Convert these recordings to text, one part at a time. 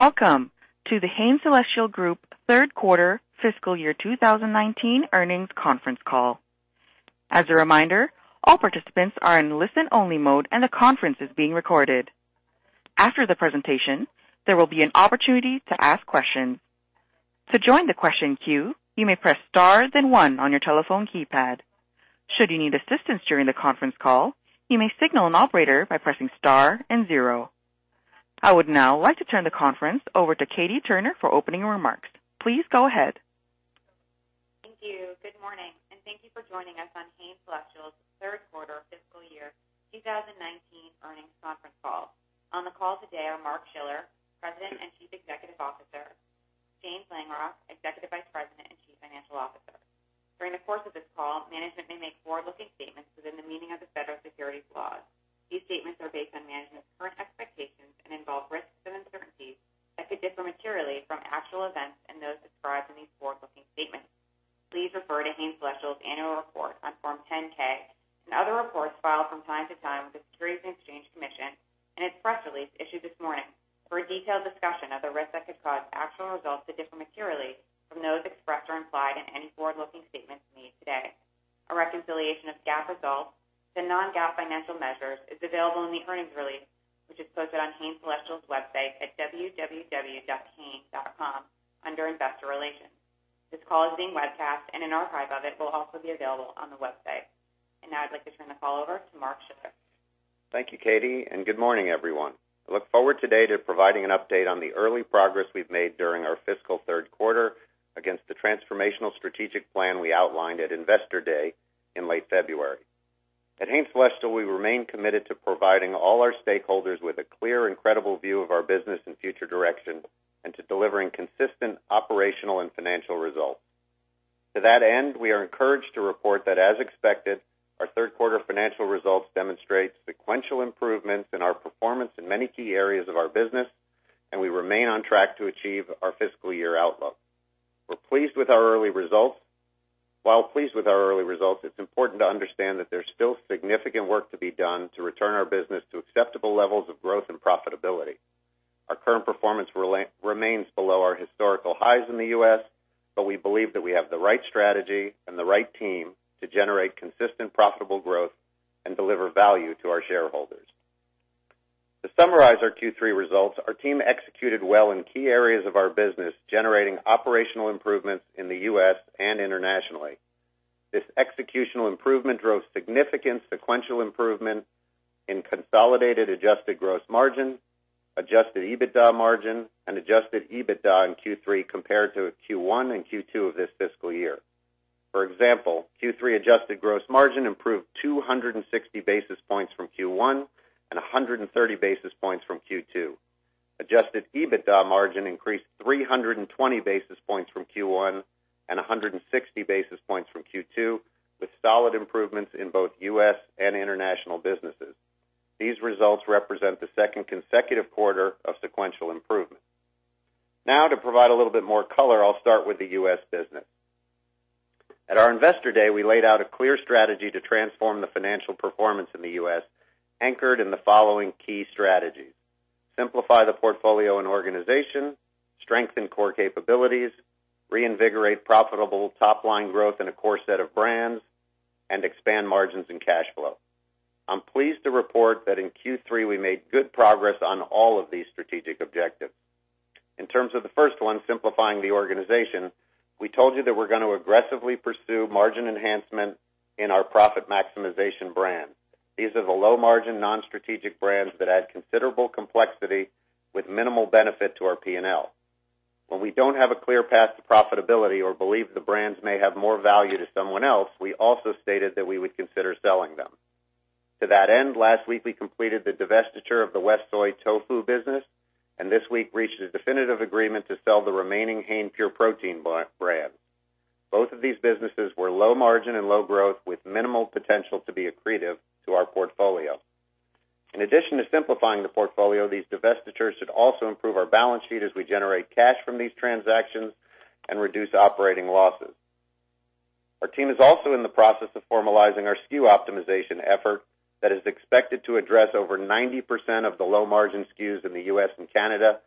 Welcome to The Hain Celestial Group third quarter fiscal year 2019 earnings conference call. As a reminder, all participants are in listen-only mode, and the conference is being recorded. After the presentation, there will be an opportunity to ask questions. To join the question queue, you may press star then one on your telephone keypad. Should you need assistance during the conference call, you may signal an operator by pressing star and zero. I would now like to turn the conference over to Katie Turner for opening remarks. Please go ahead. Thank you. Good morning, and thank you for joining us on Hain Celestial's third quarter fiscal year 2019 earnings conference call. On the call today are Mark Schiller, President and Chief Executive Officer; James Langrock, Executive Vice President and Chief Financial Officer. During the course of this call, management may make forward-looking statements within the meaning of the federal securities laws. These statements are based on management's current expectations and involve risks and uncertainties that could differ materially from actual events and those described in these forward-looking statements. Please refer to Hain Celestial's annual report on Form 10-K and other reports filed from time to time with the Securities and Exchange Commission and its press release issued this morning for a detailed discussion of the risks that could cause actual results to differ materially from those expressed or implied in any forward-looking statements made today. A reconciliation of GAAP results to non-GAAP financial measures is available in the earnings release, which is posted on Hain Celestial's website at www.hain.com under Investor Relations. This call is being webcast, and an archive of it will also be available on the website. Now I'd like to turn the call over to Mark Schiller. Thank you, Katie, and good morning, everyone. I look forward today to providing an update on the early progress we've made during our fiscal third quarter against the transformational strategic plan we outlined at Investor Day in late February. At Hain Celestial, we remain committed to providing all our stakeholders with a clear and credible view of our business and future direction, and to delivering consistent operational and financial results. To that end, we are encouraged to report that, as expected, our third quarter financial results demonstrate sequential improvements in our performance in many key areas of our business, and we remain on track to achieve our fiscal year outlook. While pleased with our early results, it's important to understand that there's still significant work to be done to return our business to acceptable levels of growth and profitability. Our current performance remains below our historical highs in the U.S., but we believe that we have the right strategy and the right team to generate consistent profitable growth and deliver value to our shareholders. To summarize our Q3 results, our team executed well in key areas of our business, generating operational improvements in the U.S. and internationally. This executional improvement drove significant sequential improvement in consolidated adjusted gross margin, adjusted EBITDA margin, and adjusted EBITDA in Q3 compared to Q1 and Q2 of this fiscal year. For example, Q3 adjusted gross margin improved 260 basis points from Q1 and 130 basis points from Q2. Adjusted EBITDA margin increased 320 basis points from Q1 and 160 basis points from Q2, with solid improvements in both U.S. and international businesses. These results represent the second consecutive quarter of sequential improvement. To provide a little bit more color, I'll start with the U.S. business. At our Investor Day, we laid out a clear strategy to transform the financial performance in the U.S., anchored in the following key strategies. Simplify the portfolio and organization, strengthen core capabilities, reinvigorate profitable top-line growth in a core set of brands, and expand margins and cash flow. I'm pleased to report that in Q3, we made good progress on all of these strategic objectives. In terms of the first one, simplifying the organization, we told you that we're going to aggressively pursue margin enhancement in our profit maximization brands. These are the low-margin, non-strategic brands that add considerable complexity with minimal benefit to our P&L. When we don't have a clear path to profitability or believe the brands may have more value to someone else, we also stated that we would consider selling them. To that end, last week we completed the divestiture of the WestSoy tofu business, and this week reached a definitive agreement to sell the remaining Hain Pure Protein brand. Both of these businesses were low margin and low growth, with minimal potential to be accretive to our portfolio. In addition to simplifying the portfolio, these divestitures should also improve our balance sheet as we generate cash from these transactions and reduce operating losses. Our team is also in the process of formalizing our SKU optimization effort that is expected to address over 90% of the low-margin SKUs in the U.S. and Canada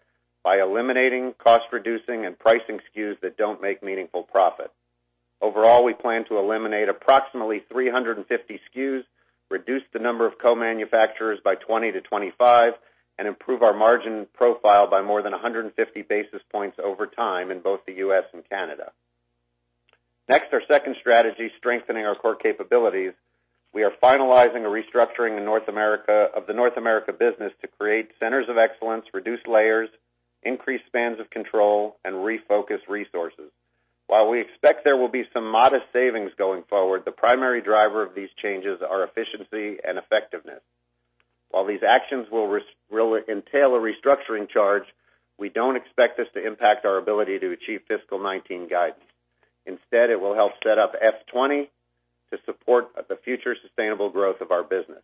by eliminating cost-reducing and pricing SKUs that don't make meaningful profit. Overall, we plan to eliminate approximately 350 SKUs, reduce the number of co-manufacturers by 20 to 25, and improve our margin profile by more than 150 basis points over time in both the U.S. and Canada. Our second strategy, strengthening our core capabilities. We are finalizing a restructuring of the North America business to create centers of excellence, reduce layers, increase spans of control, and refocus resources. While we expect there will be some modest savings going forward, the primary driver of these changes are efficiency and effectiveness. While these actions will entail a restructuring charge, we don't expect this to impact our ability to achieve fiscal 2019 guidance. Instead, it will help set up FY 2020 to support the future sustainable growth of our business.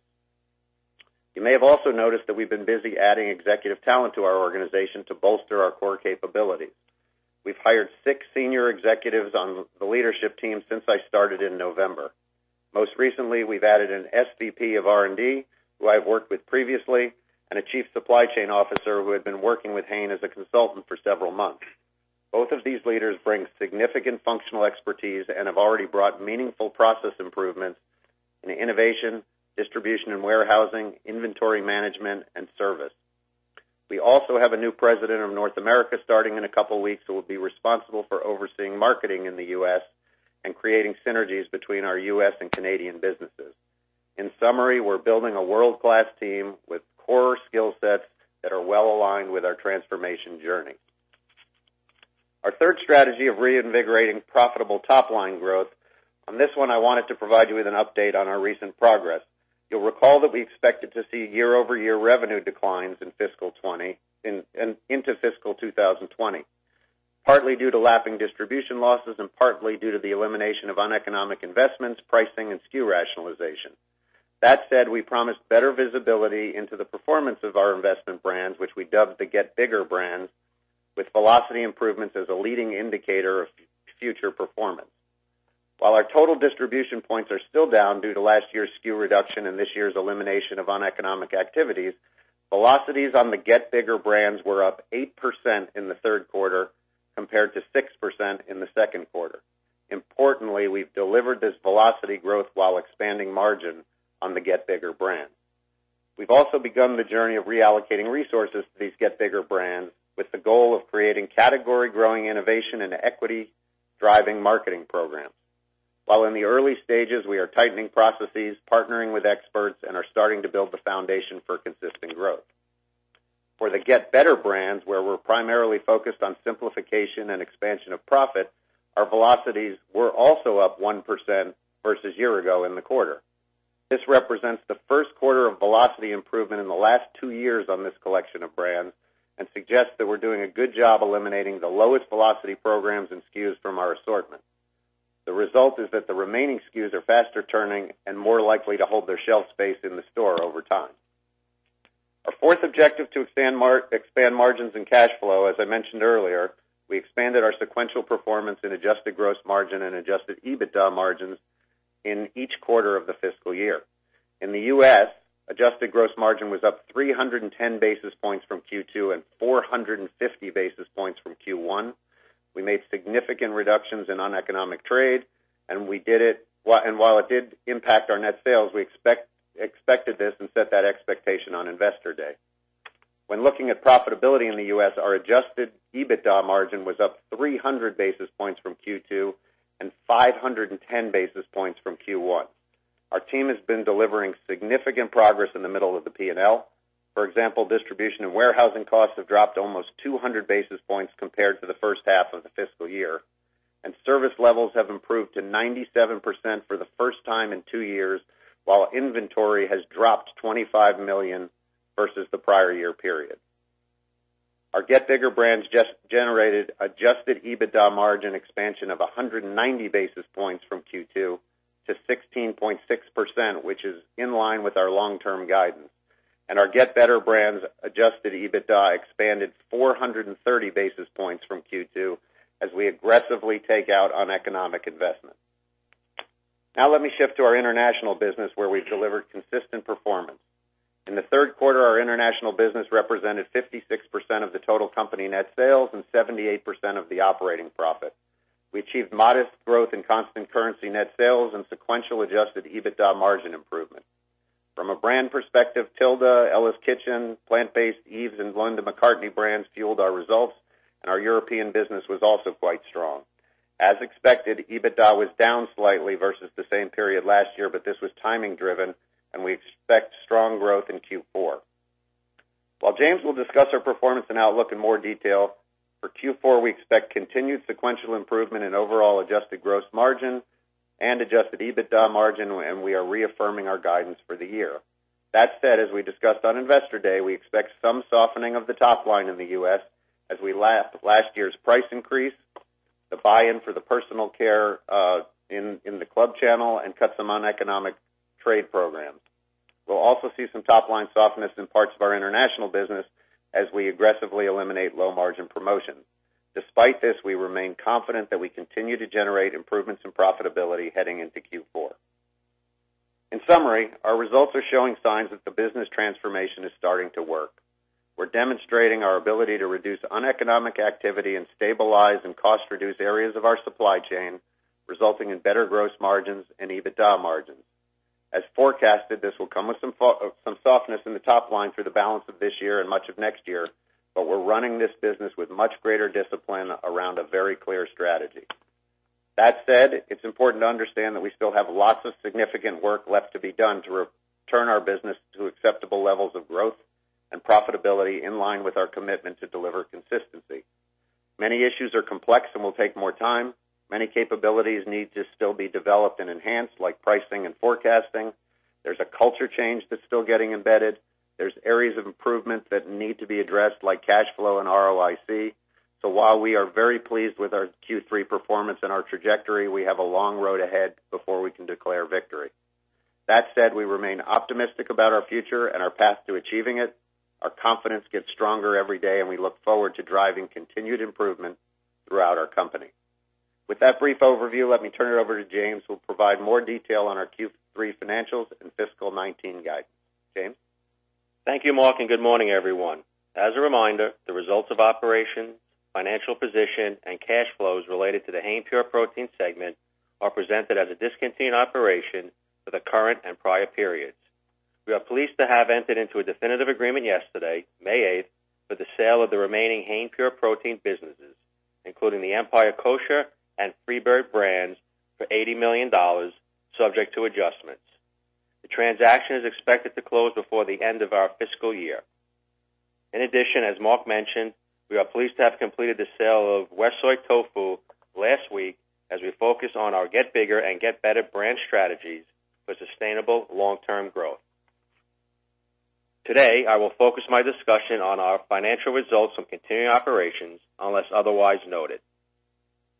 You may have also noticed that we've been busy adding executive talent to our organization to bolster our core capabilities. We've hired six senior executives on the leadership team since I started in November. Most recently, we've added an SVP of R&D, who I've worked with previously, and a Chief Supply Chain Officer who had been working with Hain as a consultant for several months. Both of these leaders bring significant functional expertise and have already brought meaningful process improvements in innovation, distribution and warehousing, inventory management, and service. We also have a new President of North America starting in a couple of weeks, who will be responsible for overseeing marketing in the U.S. and creating synergies between our U.S. and Canadian businesses. In summary, we're building a world-class team with core skill sets that are well-aligned with our transformation journey. Our third strategy of reinvigorating profitable top-line growth. On this one, I wanted to provide you with an update on our recent progress. You'll recall that we expected to see year-over-year revenue declines into fiscal 2020, partly due to lapping distribution losses and partly due to the elimination of uneconomic investments, pricing, and SKU rationalization. Said, we promised better visibility into the performance of our investment brands, which we dubbed the Get Bigger brands, with velocity improvements as a leading indicator of future performance. While our total distribution points are still down due to last year's SKU reduction and this year's elimination of uneconomic activities, velocities on the Get Bigger brands were up 8% in the third quarter, compared to 6% in the second quarter. Importantly, we've delivered this velocity growth while expanding margin on the Get Bigger brands. We've also begun the journey of reallocating resources to these Get Bigger brands with the goal of creating category-growing innovation and equity-driving marketing programs. While in the early stages, we are tightening processes, partnering with experts, and are starting to build the foundation for consistent growth. For the Get Better brands, where we're primarily focused on simplification and expansion of profit, our velocities were also up 1% versus year ago in the quarter. This represents the first quarter of velocity improvement in the last two years on this collection of brands and suggests that we're doing a good job eliminating the lowest velocity programs and SKUs from our assortment. The result is that the remaining SKUs are faster turning and more likely to hold their shelf space in the store over time. Our fourth objective, to expand margins and cash flow, as I mentioned earlier, we expanded our sequential performance in adjusted gross margin and adjusted EBITDA margins in each quarter of the fiscal year. In the U.S., adjusted gross margin was up 310 basis points from Q2 and 450 basis points from Q1. We made significant reductions in uneconomic trade, and while it did impact our net sales, we expected this and set that expectation on Investor Day. When looking at profitability in the U.S., our adjusted EBITDA margin was up 300 basis points from Q2 and 510 basis points from Q1. Our team has been delivering significant progress in the middle of the P&L. For example, distribution and warehousing costs have dropped almost 200 basis points compared to the first half of the fiscal year, and service levels have improved to 97% for the first time in two years, while inventory has dropped $25 million versus the prior year period. Our Get Bigger brands generated adjusted EBITDA margin expansion of 190 basis points from Q2 to 16.6%, which is in line with our long-term guidance. Our Get Better brands adjusted EBITDA expanded 430 basis points from Q2 as we aggressively take out uneconomic investment. Let me shift to our international business, where we've delivered consistent performance. In the 3rd quarter, our international business represented 56% of the total company net sales and 78% of the operating profit. We achieved modest growth in constant currency net sales and sequential adjusted EBITDA margin improvement. From a brand perspective, Tilda, Ella's Kitchen, plant-based Yves, and Linda McCartney brands fueled our results, and our European business was also quite strong. As expected, EBITDA was down slightly versus the same period last year, but this was timing driven, and we expect strong growth in Q4. While James will discuss our performance and outlook in more detail, for Q4, we expect continued sequential improvement in overall adjusted gross margin and adjusted EBITDA margin, and we are reaffirming our guidance for the year. That said, as we discussed on Investor Day, we expect some softening of the top line in the U.S. as we lap last year's price increase, the buy-in for the personal care in the club channel, and cut some uneconomic trade programs. We'll also see some top-line softness in parts of our international business as we aggressively eliminate low-margin promotions. Despite this, we remain confident that we continue to generate improvements in profitability heading into Q4. In summary, our results are showing signs that the business transformation is starting to work. We're demonstrating our ability to reduce uneconomic activity and stabilize and cost reduce areas of our supply chain, resulting in better gross margins and EBITDA margins. As forecasted, this will come with some softness in the top line through the balance of this year and much of next year, but we're running this business with much greater discipline around a very clear strategy. That said, it's important to understand that we still have lots of significant work left to be done to return our business to acceptable levels of growth and profitability in line with our commitment to deliver consistency. Many issues are complex and will take more time. Many capabilities need to still be developed and enhanced, like pricing and forecasting. There's a culture change that's still getting embedded. There's areas of improvement that need to be addressed, like cash flow and ROIC. While we are very pleased with our Q3 performance and our trajectory, we have a long road ahead before we can declare victory. That said, we remain optimistic about our future and our path to achieving it. Our confidence gets stronger every day, and we look forward to driving continued improvement throughout our company. With that brief overview, let me turn it over to James, who will provide more detail on our Q3 financials and fiscal 2019 guidance. James? Thank you, Mark, and good morning, everyone. As a reminder, the results of operations, financial position, and cash flows related to the Hain Pure Protein segment are presented as a discontinued operation for the current and prior periods. We are pleased to have entered into a definitive agreement yesterday, May 8th, for the sale of the remaining Hain Pure Protein businesses, including the Empire Kosher and FreeBird brands, for $80 million, subject to adjustments. The transaction is expected to close before the end of our fiscal year. In addition, as Mark mentioned, we are pleased to have completed the sale of WestSoy Tofu last week as we focus on our Get Bigger and Get Better brand strategies for sustainable long-term growth. Today, I will focus my discussion on our financial results from continuing operations unless otherwise noted.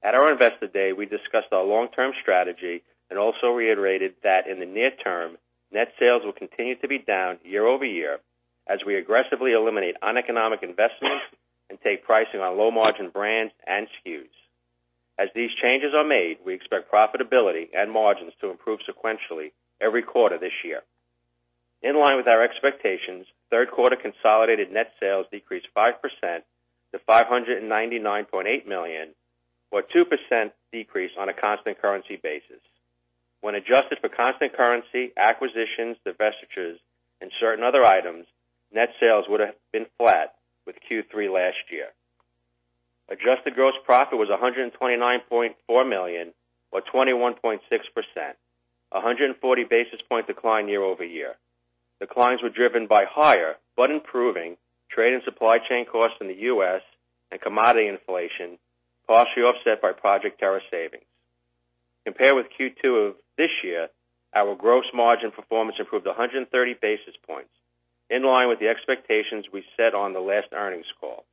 At our Investor Day, we discussed our long-term strategy and also reiterated that in the near term, net sales will continue to be down year-over-year as we aggressively eliminate uneconomic investments and take pricing on low-margin brands and SKUs. As these changes are made, we expect profitability and margins to improve sequentially every quarter this year. In line with our expectations, third quarter consolidated net sales decreased 5% to $599.8 million, or a 2% decrease on a constant currency basis. When adjusted for constant currency, acquisitions, divestitures, and certain other items, net sales would have been flat with Q3 last year. Adjusted gross profit was $129.4 million, or 21.6%, a 140-basis point decline year-over-year. Declines were driven by higher but improving trade and supply chain costs in the U.S. and commodity inflation, partially offset by Project Terra savings. Compared with Q2 of this year, our gross margin performance improved 130 basis points, in line with the expectations we set on the last earnings call.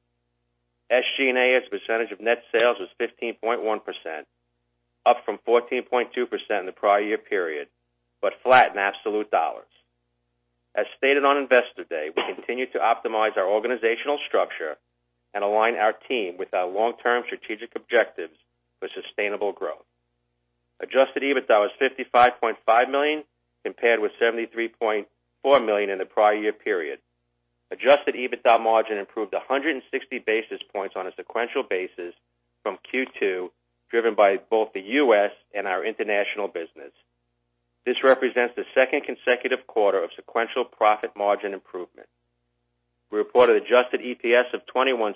SG&A as percentage of net sales was 15.1%, up from 14.2% in the prior year period, but flat in absolute dollars. As stated on Investor Day, we continue to optimize our organizational structure and align our team with our long-term strategic objectives for sustainable growth. Adjusted EBITDA was $55.5 million, compared with $73.4 million in the prior year period. Adjusted EBITDA margin improved 160 basis points on a sequential basis from Q2, driven by both the U.S. and our international business. This represents the second consecutive quarter of sequential profit margin improvement. We reported adjusted EPS of $0.21,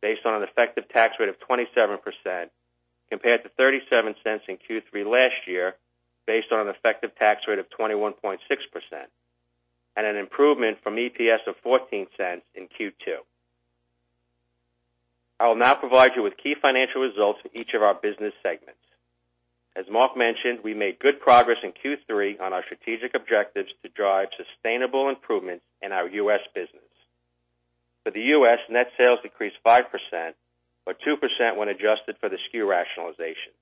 based on an effective tax rate of 27%, compared to $0.37 in Q3 last year, based on an effective tax rate of 21.6%, and an improvement from EPS of $0.14 in Q2. I will now provide you with key financial results for each of our business segments. As Mark mentioned, we made good progress in Q3 on our strategic objectives to drive sustainable improvements in our U.S. business. For the U.S., net sales decreased 5%, or 2% when adjusted for the SKU rationalization.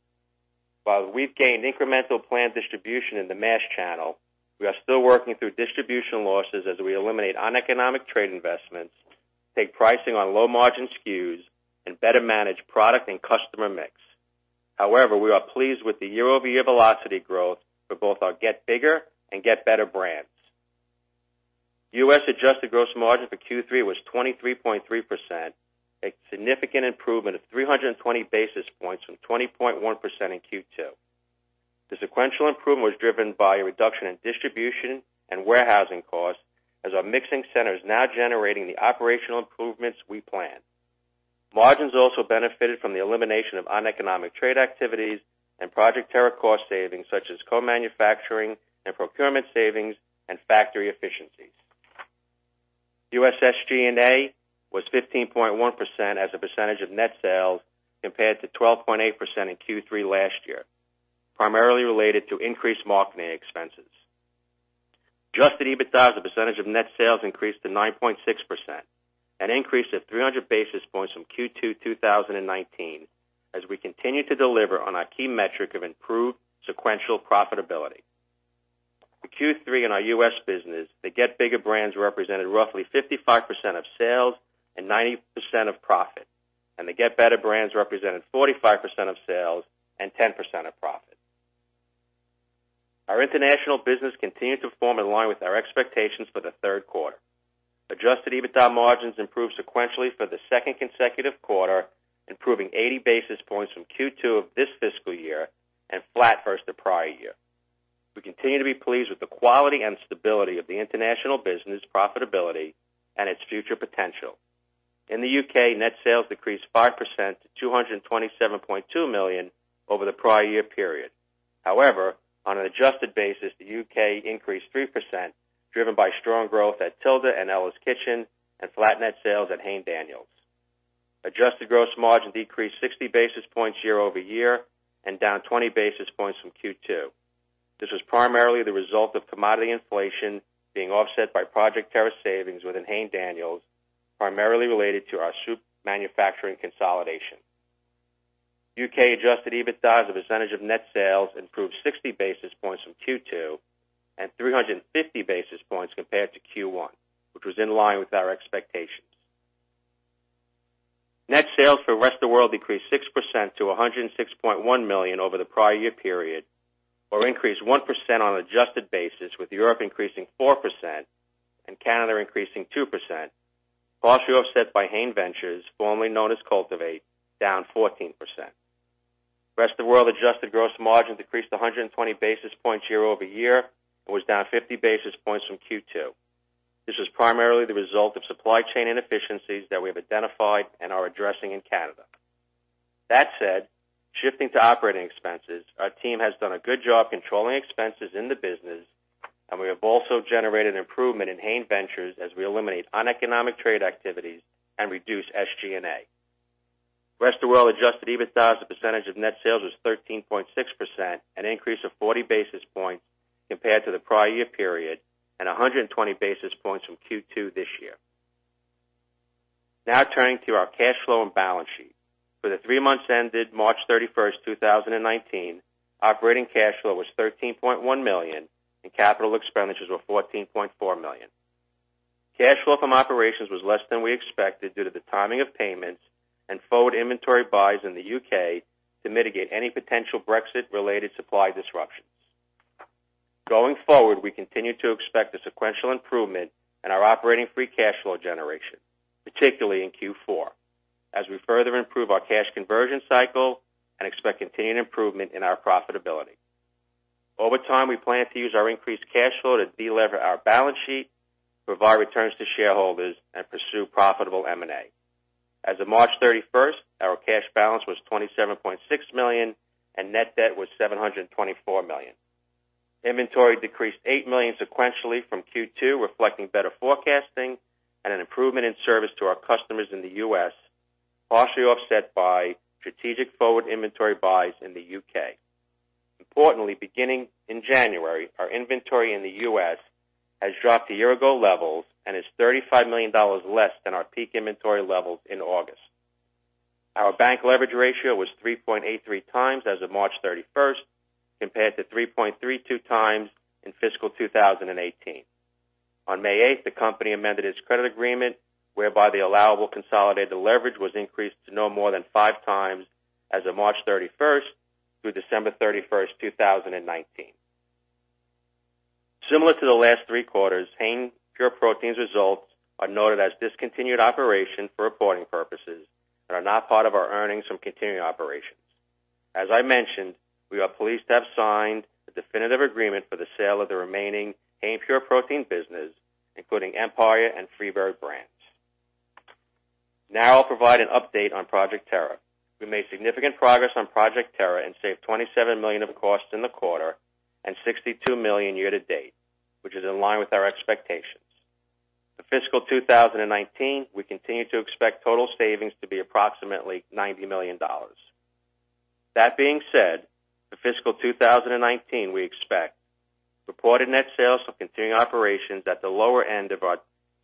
While we've gained incremental planned distribution in the mass channel, we are still working through distribution losses as we eliminate uneconomic trade investments, take pricing on low-margin SKUs, and better manage product and customer mix. However, we are pleased with the year-over-year velocity growth for both our Get Bigger and Get Better brands. U.S. adjusted gross margin for Q3 was 23.3%, a significant improvement of 320 basis points from 20.1% in Q2. The sequential improvement was driven by a reduction in distribution and warehousing costs as our mixing center is now generating the operational improvements we planned. Margins also benefited from the elimination of uneconomic trade activities and Project Terra cost savings, such as co-manufacturing and procurement savings and factory efficiencies. U.S. SG&A was 15.1% as a percentage of net sales compared to 12.8% in Q3 last year, primarily related to increased marketing expenses. Adjusted EBITDA as a percentage of net sales increased to 9.6%, an increase of 300 basis points from Q2 2019 as we continue to deliver on our key metric of improved sequential profitability. For Q3 in our U.S. business, the Get Bigger brands represented roughly 55% of sales and 90% of profit, and the Get Better brands represented 45% of sales and 10% of profit. Our international business continued to perform in line with our expectations for the third quarter. Adjusted EBITDA margins improved sequentially for the second consecutive quarter, improving 80 basis points from Q2 of this fiscal year and flat versus the prior year. We continue to be pleased with the quality and stability of the international business profitability and its future potential. In the U.K., net sales decreased 5% to 227.2 million over the prior year period. However, on an adjusted basis, the U.K. increased 3%, driven by strong growth at Tilda and Ella's Kitchen and flat net sales at Hain Daniels. Adjusted gross margin decreased 60 basis points year-over-year and down 20 basis points from Q2. This was primarily the result of commodity inflation being offset by Project Terra savings within Hain Daniels, primarily related to our soup manufacturing consolidation. U.K. adjusted EBITDA as a percentage of net sales improved 60 basis points from Q2 and 350 basis points compared to Q1, which was in line with our expectations. Net sales for Rest of World decreased 6% to $106.1 million over the prior year period, or increased 1% on an adjusted basis, with Europe increasing 4% and Canada increasing 2%, partially offset by Hain Ventures, formerly known as Cultivate Ventures, down 14%. Rest of World adjusted gross margin decreased 120 basis points year-over-year and was down 50 basis points from Q2. This was primarily the result of supply chain inefficiencies that we have identified and are addressing in Canada. Shifting to operating expenses, our team has done a good job controlling expenses in the business, and we have also generated improvement in Hain Ventures as we eliminate uneconomic trade activities and reduce SG&A. Rest of World adjusted EBITDA as a percentage of net sales was 13.6%, an increase of 40 basis points compared to the prior year period and 120 basis points from Q2 this year. Turning to our cash flow and balance sheet. For the three months ended March 31st, 2019, operating cash flow was $13.1 million, and capital expenditures were $14.4 million. Cash flow from operations was less than we expected due to the timing of payments and forward inventory buys in the U.K. to mitigate any potential Brexit-related supply disruptions. Going forward, we continue to expect a sequential improvement in our operating free cash flow generation, particularly in Q4, as we further improve our cash conversion cycle and expect continued improvement in our profitability. Over time, we plan to use our increased cash flow to delever our balance sheet, provide returns to shareholders, and pursue profitable M&A. As of March 31st, our cash balance was $27.6 million, and net debt was $724 million. Inventory decreased $8 million sequentially from Q2, reflecting better forecasting and an improvement in service to our customers in the U.S., partially offset by strategic forward inventory buys in the U.K. Importantly, beginning in January, our inventory in the U.S. has dropped to year-ago levels and is $35 million less than our peak inventory levels in August. Our bank leverage ratio was 3.83 times as of March 31st, compared to 3.32 times in fiscal 2018. On May 8th, the company amended its credit agreement, whereby the allowable consolidated leverage was increased to no more than 5 times as of March 31st through December 31st, 2019. Similar to the last three quarters, Hain Pure Protein results are noted as discontinued operation for reporting purposes and are not part of our earnings from continuing operations. As I mentioned, we are pleased to have signed the definitive agreement for the sale of the remaining Hain Pure Protein business, including Empire and FreeBird brands. Now I'll provide an update on Project Terra. We made significant progress on Project Terra and saved $27 million of costs in the quarter and $62 million year to date, which is in line with our expectations. For fiscal 2019, we continue to expect total savings to be approximately $90 million. For fiscal 2019, we expect reported net sales from continuing operations at the lower end of our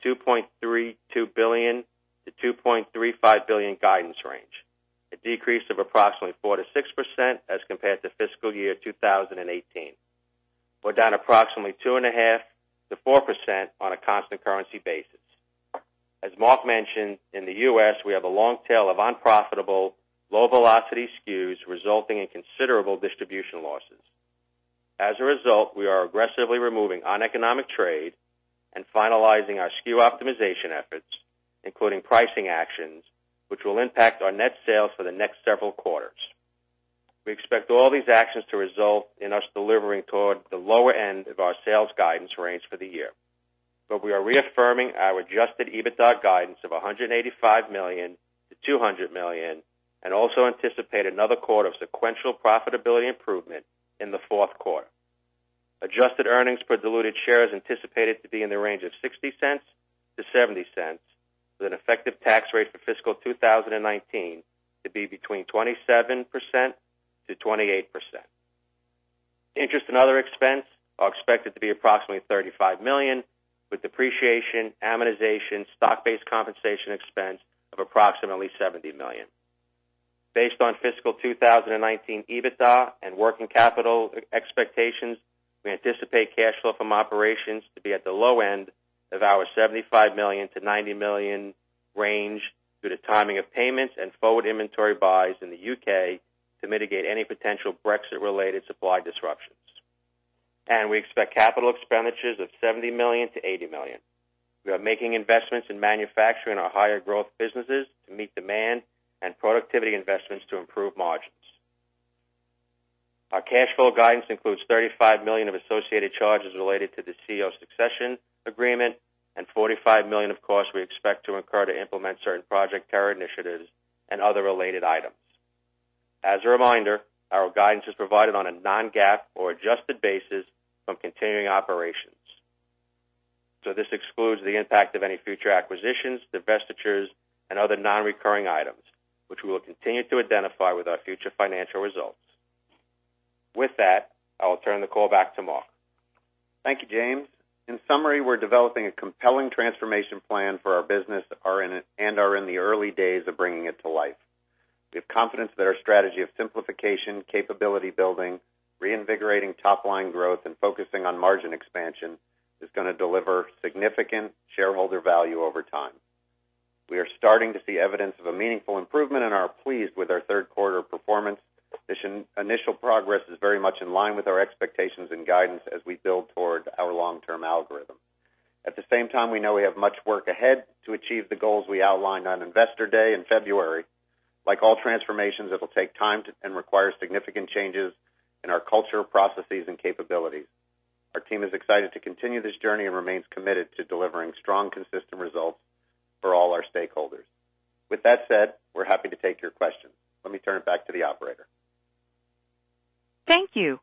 $2.32 billion to $2.35 billion guidance range, a decrease of approximately 4%-6% as compared to fiscal year 2018, or down approximately 2.5%-4% on a constant currency basis. As Mark mentioned, in the U.S., we have a long tail of unprofitable, low-velocity SKUs, resulting in considerable distribution losses. We are aggressively removing uneconomic trade and finalizing our SKU optimization efforts, including pricing actions, which will impact our net sales for the next several quarters. We expect all these actions to result in us delivering toward the lower end of our sales guidance range for the year, but we are reaffirming our adjusted EBITDA guidance of $185 million to $200 million and also anticipate another quarter of sequential profitability improvement in the fourth quarter. Adjusted earnings per diluted share is anticipated to be in the range of $0.60 to $0.70, with an effective tax rate for fiscal 2019 to be between 27%-28%. Interest and other expense are expected to be approximately $35 million, with depreciation, amortization, stock-based compensation expense of approximately $70 million. Based on fiscal 2019 EBITDA and working capital expectations, we anticipate cash flow from operations to be at the low end of our $75 million to $90 million range due to timing of payments and forward inventory buys in the U.K. to mitigate any potential Brexit-related supply disruptions. We expect capital expenditures of $70 million to $80 million. We are making investments in manufacturing our higher growth businesses to meet demand and productivity investments to improve margins. Our cash flow guidance includes $35 million of associated charges related to the CEO succession agreement and $45 million of costs we expect to incur to implement certain Project Terra initiatives and other related items. As a reminder, our guidance is provided on a non-GAAP or adjusted basis from continuing operations. This excludes the impact of any future acquisitions, divestitures, and other non-recurring items, which we will continue to identify with our future financial results. With that, I will turn the call back to Mark. Thank you, James. In summary, we're developing a compelling transformation plan for our business and are in the early days of bringing it to life. We have confidence that our strategy of simplification, capability building, reinvigorating top-line growth, and focusing on margin expansion is going to deliver significant shareholder value over time. We are starting to see evidence of a meaningful improvement and are pleased with our third quarter performance. Initial progress is very much in line with our expectations and guidance as we build toward our long-term algorithm. At the same time, we know we have much work ahead to achieve the goals we outlined on Investor Day in February. Like all transformations, it'll take time and require significant changes in our culture, processes, and capabilities. Our team is excited to continue this journey and remains committed to delivering strong, consistent results for all our stakeholders. With that said, we're happy to take your questions. Let me turn it back to the operator. Thank you.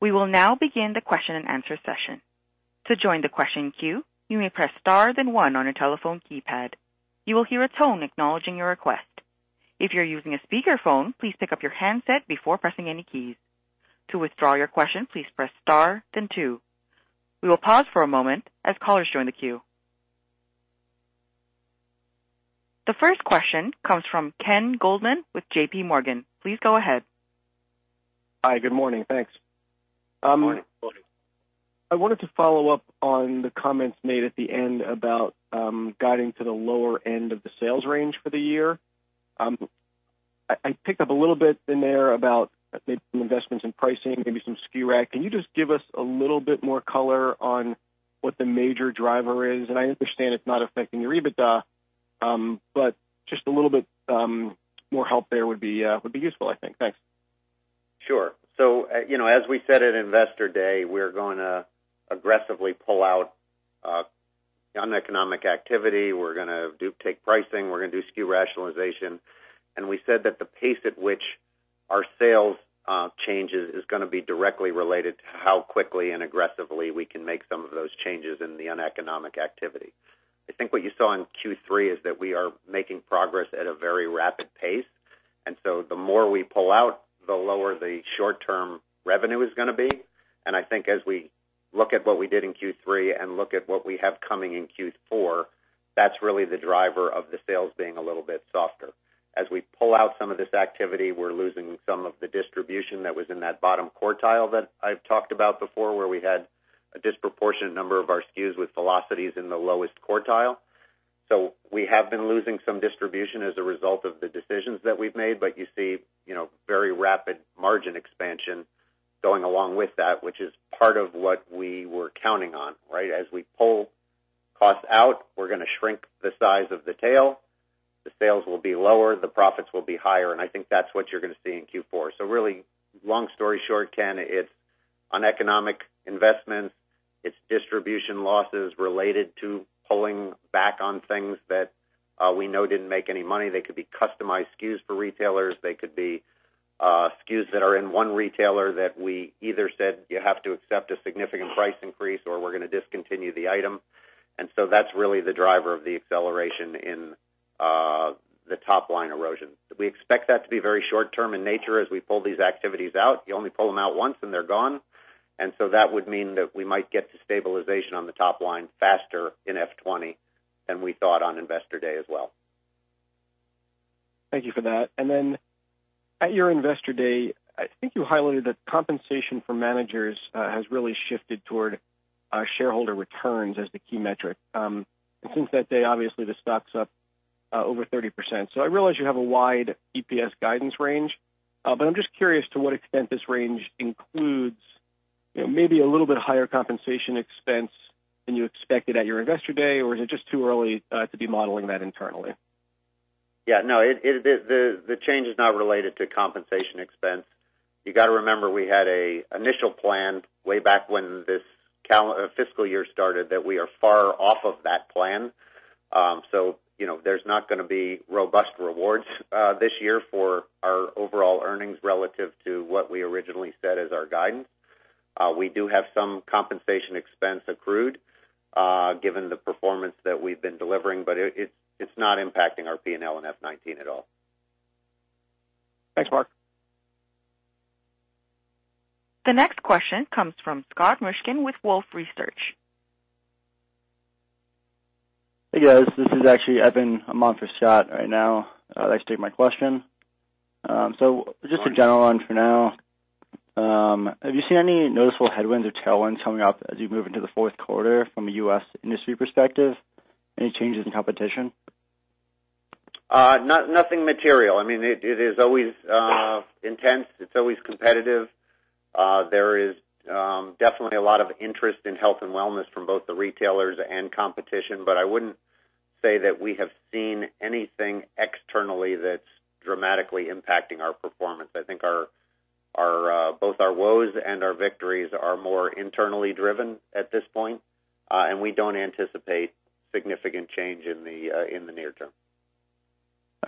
We will now begin the question and answer session. To join the question queue, you may press star then one on your telephone keypad. You will hear a tone acknowledging your request. If you're using a speakerphone, please pick up your handset before pressing any keys. To withdraw your question, please press star then two. We will pause for a moment as callers join the queue. The first question comes from Ken Goldman with JPMorgan. Please go ahead. Hi, good morning. Thanks. Good morning. I wanted to follow up on the comments made at the end about guiding to the lower end of the sales range for the year. I picked up a little bit in there about maybe some investments in pricing, maybe some SKU rationalization. Can you just give us a little bit more color on what the major driver is? I understand it's not affecting your EBITDA, but just a little bit more help there would be useful, I think. Thanks. Sure. As we said at Investor Day, we're going to aggressively pull out uneconomic activity. We're going to take pricing. We're going to do SKU rationalization. We said that the pace at which our sales changes is going to be directly related to how quickly and aggressively we can make some of those changes in the uneconomic activity. I think what you saw in Q3 is that we are making progress at a very rapid pace, and so the more we pull out, the lower the short-term revenue is going to be. I think as we look at what we did in Q3 and look at what we have coming in Q4, that's really the driver of the sales being a little bit softer. As we pull out some of this activity, we're losing some of the distribution that was in that bottom quartile that I've talked about before, where we had a disproportionate number of our SKUs with velocities in the lowest quartile. We have been losing some distribution as a result of the decisions that we've made. You see very rapid margin expansion going along with that, which is part of what we were counting on. As we pull costs out, we're going to shrink the size of the tail. The sales will be lower, the profits will be higher, and I think that's what you're going to see in Q4. Really, long story short, Ken, it's uneconomic investments. It's distribution losses related to pulling back on things that we know didn't make any money. They could be customized SKUs for retailers. They could be SKUs that are in one retailer that we either said, "You have to accept a significant price increase," or, "We're going to discontinue the item." That's really the driver of the acceleration in the top-line erosion. We expect that to be very short-term in nature as we pull these activities out. You only pull them out once, and they're gone. That would mean that we might get to stabilization on the top line faster in FY 2020 than we thought on Investor Day as well. Thank you for that. At your Investor Day, I think you highlighted that compensation for managers has really shifted toward shareholder returns as the key metric. Since that day, obviously, the stock's up over 30%. I realize you have a wide EPS guidance range, but I'm just curious to what extent this range includes maybe a little bit higher compensation expense than you expected at your Investor Day, or is it just too early to be modeling that internally? Yeah. No, the change is not related to compensation expense. You got to remember, we had an initial plan way back when this fiscal year started that we are far off of that plan. There's not going to be robust rewards this year for our overall earnings relative to what we originally said as our guidance. We do have some compensation expense accrued given the performance that we've been delivering, but it's not impacting our P&L in FY 2019 at all. Thanks, Mark. The next question comes from Scott Mushkin with Wolfe Research. Hey, guys. I'm on for Scott right now. I'd like to take my question. Sure. Just a general one for now. Have you seen any noticeable headwinds or tailwinds coming up as you move into the fourth quarter from a U.S. industry perspective? Any changes in competition? Nothing material. It is always intense. It's always competitive. There is definitely a lot of interest in health and wellness from both the retailers and competition. I wouldn't say that we have seen anything externally that's dramatically impacting our performance. I think both our woes and our victories are more internally driven at this point, and we don't anticipate significant change in the near term.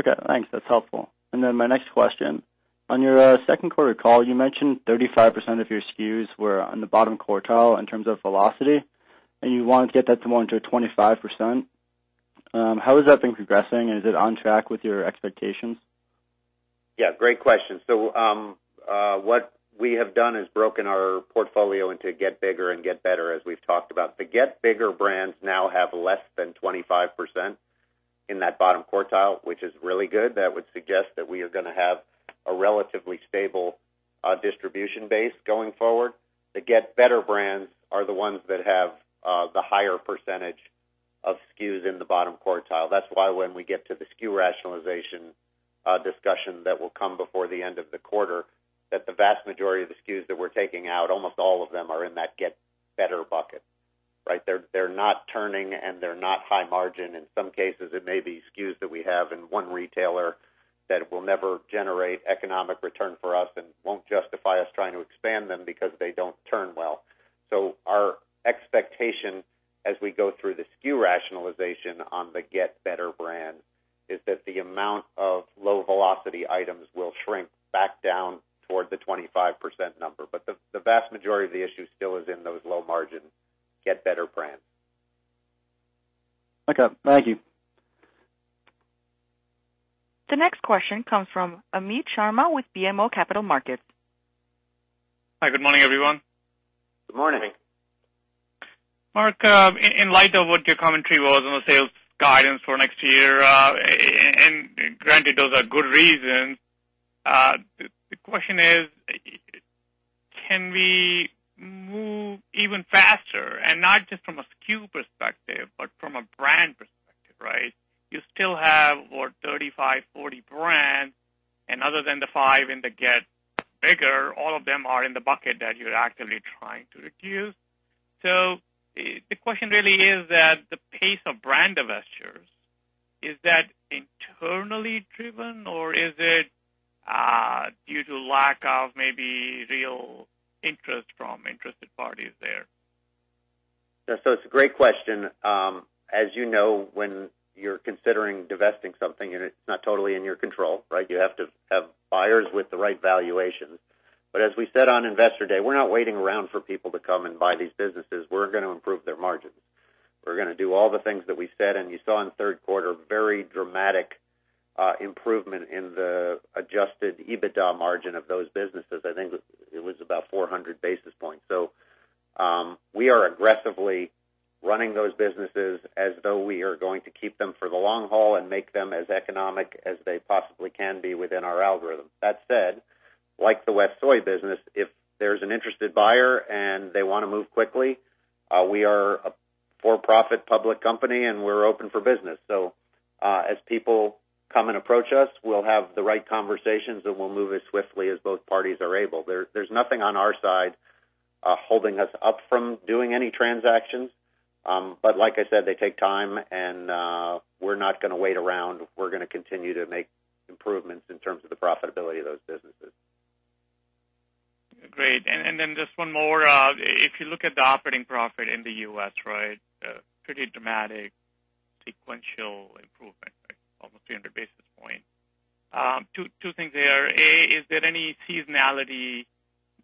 Okay, thanks. That's helpful. My next question, on your second quarter call, you mentioned 35% of your SKUs were on the bottom quartile in terms of velocity, and you want to get that to more to 25%. How has that been progressing? Is it on track with your expectations? Yeah, great question. What we have done is broken our portfolio into Get Bigger and Get Better, as we've talked about. The Get Bigger brands now have less than 25% in that bottom quartile, which is really good. That would suggest that we are going to have a relatively stable distribution base going forward. The Get Better brands are the ones that have the higher percentage of SKUs in the bottom quartile. That's why when we get to the SKU rationalization discussion that will come before the end of the quarter, that the vast majority of the SKUs that we're taking out, almost all of them are in that Get Better bucket, right? They're not turning, and they're not high margin. In some cases, it may be SKUs that we have in one retailer that will never generate economic return for us and won't justify us trying to expand them because they don't turn well. Our expectation as we go through the SKU rationalization on the Get Better brands is that the amount of low velocity items will shrink back down toward the 25% number. The vast majority of the issue still is in those low margin Get Better brands. Okay, thank you. The next question comes from Amit Sharma with BMO Capital Markets. Hi, good morning, everyone. Good morning. Mark, in light of what your commentary was on the sales guidance for next year, and granted those are good reasons, the question is, can we move even faster? Not just from a SKU perspective, but from a brand perspective, right? You still have, what, 35, 40 brands, and other than the five in the Get Bigger, all of them are in the bucket that you're actively trying to reduce. The question really is that the pace of brand divestitures, is that internally driven, or is it due to lack of maybe real interest from interested parties there? It's a great question. As you know, when you're considering divesting something and it's not totally in your control, right, you have to have buyers with the right valuations. As we said on Investor Day, we're not waiting around for people to come and buy these businesses. We're going to improve their margins. We're going to do all the things that we said, and you saw in the third quarter, very dramatic improvement in the adjusted EBITDA margin of those businesses. I think it was about 400 basis points. We are aggressively running those businesses as though we are going to keep them for the long haul and make them as economic as they possibly can be within our algorithm. That said, like the WestSoy business, if there's an interested buyer and they want to move quickly, we are a for-profit public company and we're open for business. As people come and approach us, we'll have the right conversations and we'll move as swiftly as both parties are able. There's nothing on our side holding us up from doing any transactions. Like I said, they take time and we're not going to wait around. We're going to continue to make improvements in terms of the profitability of those businesses. Just one more. If you look at the operating profit in the U.S., right? Pretty dramatic sequential improvement, right? Almost 300 basis points. Two things there. A, is there any seasonality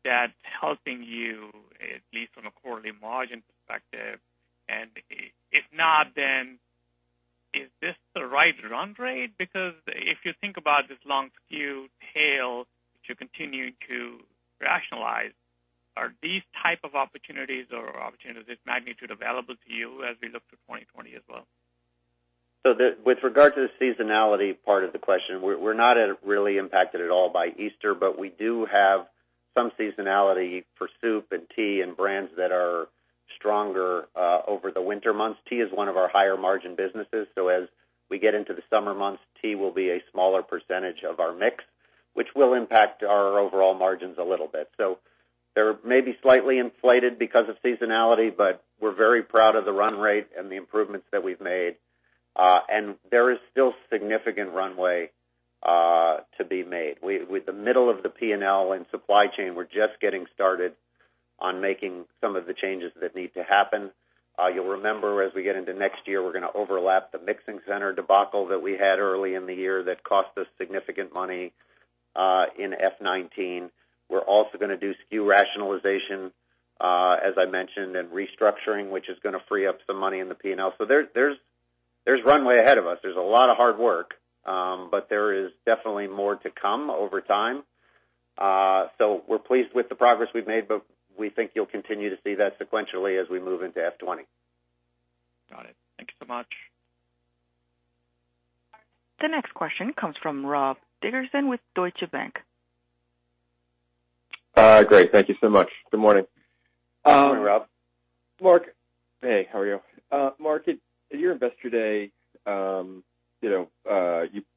that's helping you, at least from a quarterly margin perspective? If not, then is this the right run rate? Because if you think about this long SKU tail that you're continuing to rationalize, are these type of opportunities or opportunities of this magnitude available to you as we look to 2020 as well? With regard to the seasonality part of the question, we're not really impacted at all by Easter, but we do have some seasonality for soup and tea and brands that are stronger over the winter months. Tea is one of our higher margin businesses, so as we get into the summer months, tea will be a smaller percentage of our mix, which will impact our overall margins a little bit. They may be slightly inflated because of seasonality, but we're very proud of the run rate and the improvements that we've made. There is still significant runway to be made. With the middle of the P&L and supply chain, we're just getting started on making some of the changes that need to happen. You'll remember, as we get into next year, we're going to overlap the mixing center debacle that we had early in the year that cost us significant money in FY 2019. We're also going to do SKU rationalization, as I mentioned, and restructuring, which is going to free up some money in the P&L. There's runway ahead of us. There's a lot of hard work. There is definitely more to come over time. We're pleased with the progress we've made, but we think you'll continue to see that sequentially as we move into FY 2020. Got it. Thank you so much. The next question comes from Rob Dickerson with Deutsche Bank. Great. Thank you so much. Good morning. Good morning, Rob. Mark. Hey, how are you? Mark, at your Investor Day,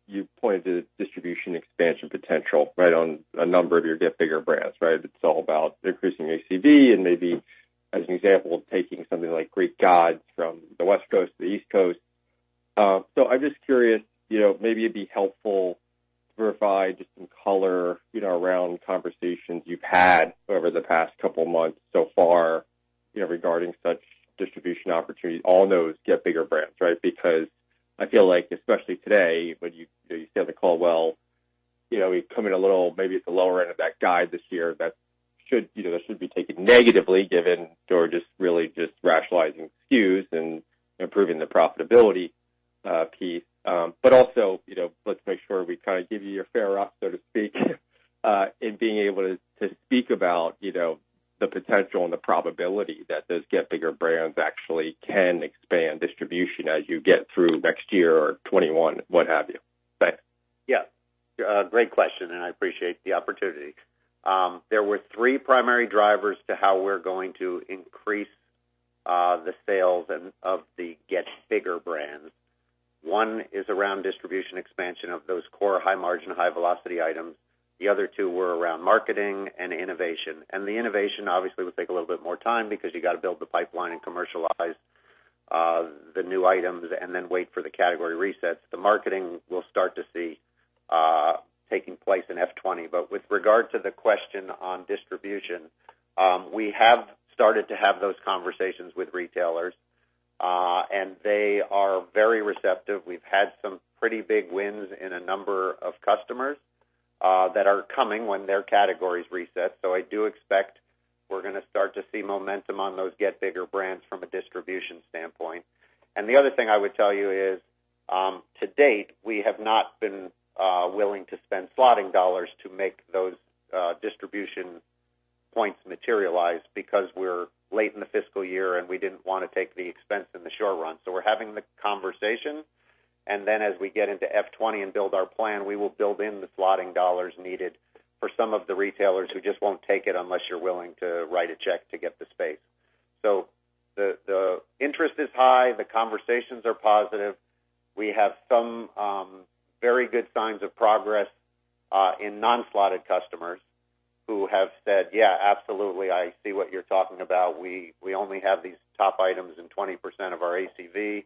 you pointed to distribution expansion potential right on a number of your Get Bigger brands, right? It's all about increasing ACV and maybe as an example of taking something like Greek Gods from the West Coast to the East Coast. I'm just curious, maybe it'd be helpful to verify just some color around conversations you've had over the past couple of months so far regarding such distribution opportunities, all those Get Bigger brands, right? I feel like especially today when you said the call We come in a little, maybe at the lower end of that guide this year. That should be taken negatively given Hain's really just rationalizing SKUs and improving the profitability piece. Also, let's make sure we give you your fair, so to speak, in being able to speak about the potential and the probability that those Get Bigger brands actually can expand distribution as you get through next year or 2021, what have you. Thanks. Yeah. Great question, I appreciate the opportunity. There were 3 primary drivers to how we're going to increase the sales of the Get Bigger brands. One is around distribution expansion of those core high-margin, high-velocity items. The other two were around marketing and innovation. The innovation obviously will take a little bit more time because you got to build the pipeline and commercialize the new items and then wait for the category resets. The marketing, we'll start to see taking place in FY 2020. With regard to the question on distribution, we have started to have those conversations with retailers, and they are very receptive. We've had some pretty big wins in a number of customers that are coming when their categories reset. I do expect we're going to start to see momentum on those Get Bigger brands from a distribution standpoint. The other thing I would tell you is, to date, we have not been willing to spend slotting dollars to make those distribution points materialize because we're late in the fiscal year and we didn't want to take the expense in the short run. We're having the conversation and then as we get into FY 2020 and build our plan, we will build in the slotting dollars needed for some of the retailers who just won't take it unless you're willing to write a check to get the space. The interest is high. The conversations are positive. We have some very good signs of progress in non-slotted customers who have said, "Yeah, absolutely. I see what you're talking about. We only have these top items in 20% of our ACV,"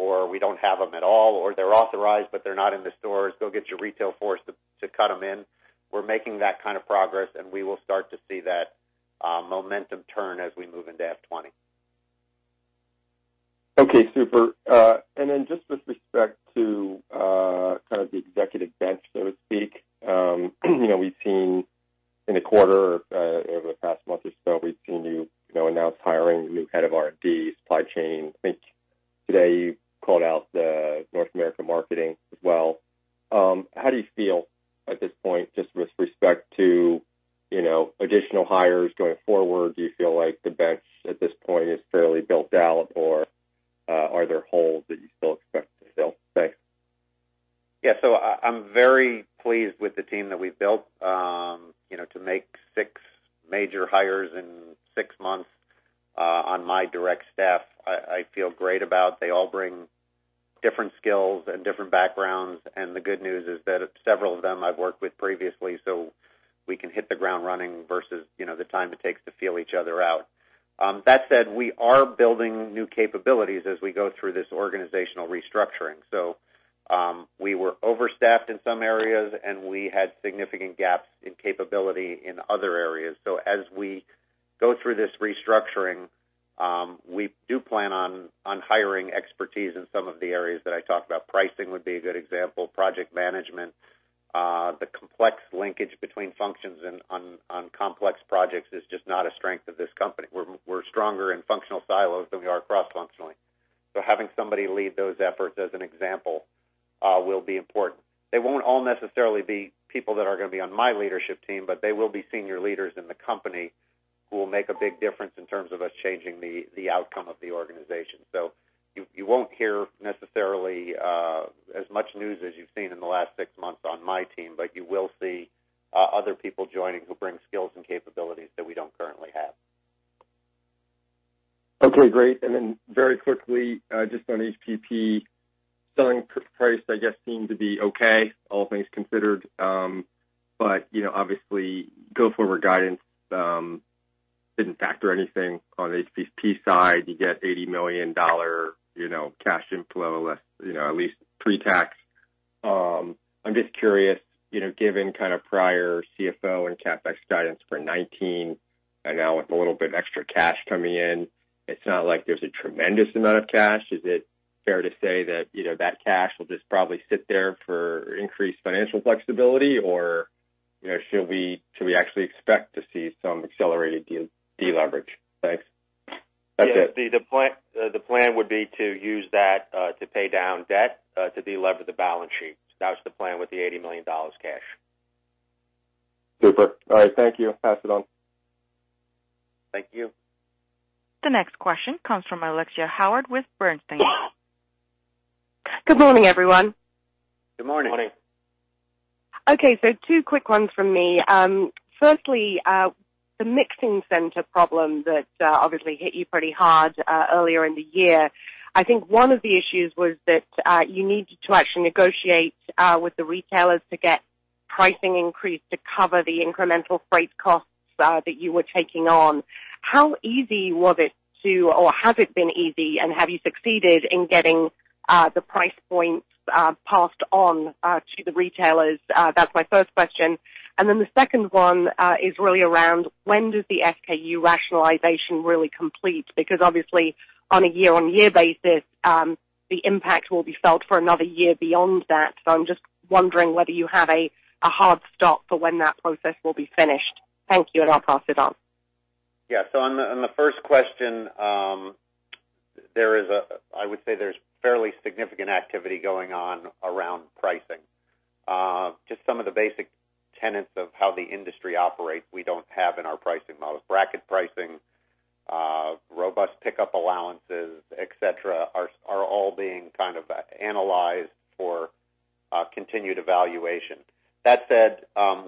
or, "We don't have them at all," or, "They're authorized, but they're not in the stores. Go get your retail force to cut them in." We're making that kind of progress and we will start to see that momentum turn as we move into FY 2020. Okay, super. Just with respect to the executive bench, so to speak, we've seen in the quarter, over the past month or so, we've seen you announce hiring a new head of R&D, supply chain. I think today you called out the North American marketing as well. How do you feel at this point just with respect to additional hires going forward? Do you feel like the bench at this point is fairly built out or are there holes that you still expect to fill? Thanks. Yeah. I'm very pleased with the team that we've built. To make six major hires in six months on my direct staff, I feel great about. They all bring different skills and different backgrounds, the good news is that several of them I've worked with previously, so we can hit the ground running versus the time it takes to feel each other out. That said, we are building new capabilities as we go through this organizational restructuring. We were overstaffed in some areas and we had significant gaps in capability in other areas. As we go through this restructuring, we do plan on hiring expertise in some of the areas that I talked about. Pricing would be a good example, project management. The complex linkage between functions on complex projects is just not a strength of this company. We're stronger in functional silos than we are cross-functionally. Having somebody lead those efforts as an example will be important. They won't all necessarily be people that are going to be on my leadership team, but they will be senior leaders in the company who will make a big difference in terms of us changing the outcome of the organization. You won't hear necessarily as much news as you've seen in the last six months on my team, but you will see other people joining who bring skills and capabilities that we don't currently have. Okay, great. Very quickly, just on HPP. Selling price I guess seemed to be okay, all things considered. Obviously go-forward guidance didn't factor anything on HPP side. You get $80 million cash inflow, at least pre-tax. I'm just curious, given prior CFO and CapEx guidance for 2019 and now with a little bit extra cash coming in, it's not like there's a tremendous amount of cash. Is it fair to say that that cash will just probably sit there for increased financial flexibility or should we actually expect to see some accelerated deleverage? Thanks. That's it. Yeah. The plan would be to use that to pay down debt to delever the balance sheet. That's the plan with the $80 million cash. Super. All right, thank you. Pass it on. Thank you. The next question comes from Alexia Howard with Bernstein. Good morning, everyone. Good morning. Morning. Okay, two quick ones from me. Firstly, the mixing center problem that obviously hit you pretty hard earlier in the year. I think one of the issues was that you needed to actually negotiate with the retailers to get pricing increase to cover the incremental freight costs that you were taking on. How easy was it to, or has it been easy and have you succeeded in getting the price points passed on to the retailers? That's my first question. Then the second one is really around when does the SKU rationalization really complete? Obviously on a year-on-year basis, the impact will be felt for another year beyond that. I'm just wondering whether you have a hard stop for when that process will be finished. Thank you and I'll pass it on. Yeah. On the first question, I would say there's fairly significant activity going on around pricing. Just some of the basic tenets of how the industry operates, we don't have in our pricing model. Bracket pricing, robust pickup allowances, et cetera, are all being analyzed for continued evaluation. That said,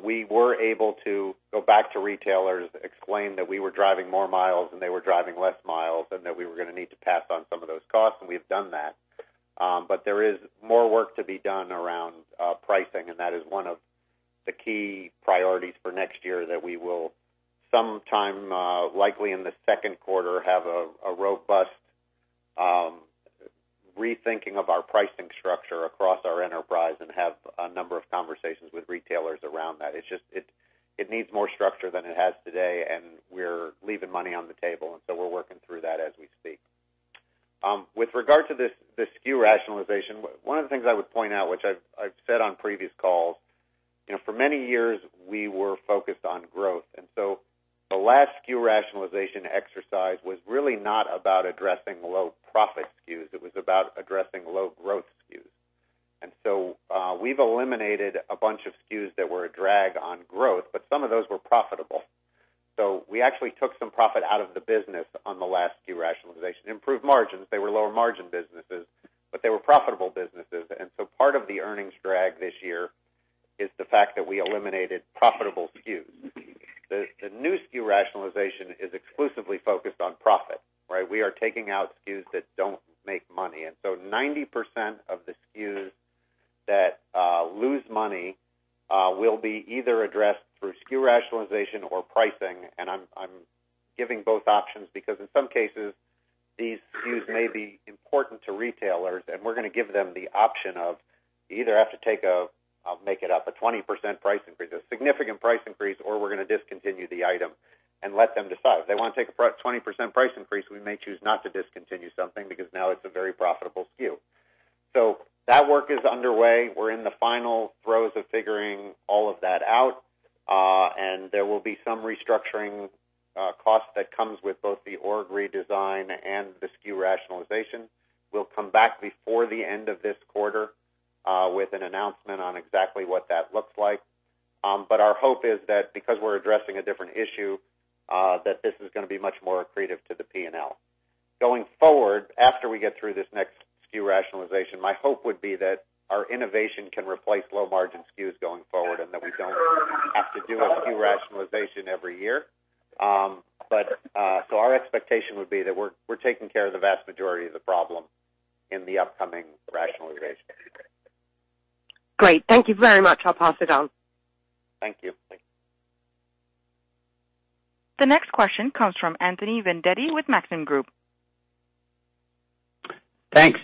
we were able to go back to retailers, explain that we were driving more miles and they were driving less miles, and that we were going to need to pass on some of those costs, and we have done that. There is more work to be done around pricing, and that is one of the key priorities for next year that we will, sometime likely in the second quarter, have a robust rethinking of our pricing structure across our enterprise and have a number of conversations with retailers around that. It needs more structure than it has today, and we're leaving money on the table. We're working through that as we speak. With regard to the SKU rationalization, one of the things I would point out, which I've said on previous calls, for many years, we were focused on growth. The last SKU rationalization exercise was really not about addressing low profit SKUs. It was about addressing low growth SKUs. We've eliminated a bunch of SKUs that were a drag on growth, but some of those were profitable. We actually took some profit out of the business on the last SKU rationalization. Improved margins. They were lower margin businesses, but they were profitable businesses. Part of the earnings drag this year is the fact that we eliminated profitable SKUs. The new SKU rationalization is exclusively focused on profit. We are taking out SKUs that don't make money. 90% of the SKUs that lose money will be either addressed through SKU rationalization or pricing. I'm giving both options because in some cases, these SKUs may be important to retailers, and we're going to give them the option of you either have to take a, I'll make it up, a 20% price increase, a significant price increase, or we're going to discontinue the item and let them decide. If they want to take a 20% price increase, we may choose not to discontinue something because now it's a very profitable SKU. That work is underway. We're in the final throes of figuring all of that out. There will be some restructuring cost that comes with both the org redesign and the SKU rationalization. We'll come back before the end of this quarter with an announcement on exactly what that looks like. Our hope is that because we're addressing a different issue, that this is going to be much more accretive to the P&L. Going forward, after we get through this next SKU rationalization, my hope would be that our innovation can replace low margin SKUs going forward and that we don't have to do a SKU rationalization every year. Our expectation would be that we're taking care of the vast majority of the problem in the upcoming rationalization. Great. Thank you very much. I'll pass it on. Thank you. The next question comes from Anthony Vendetti with Maxim Group. Thanks.